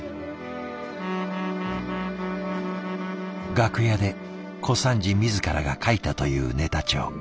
楽屋で小三治自らが書いたというネタ帳。